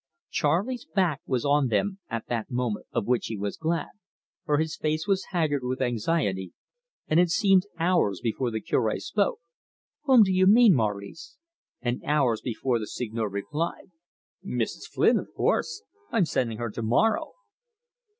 Charley's back was on them at that moment, of which he was glad, for his face was haggard with anxiety, and it seemed hours before the Cure said: "Whom do you mean, Maurice?" and hours before the Seigneur replied: "Mrs. Flynn, of course. I'm sending her tomorrow."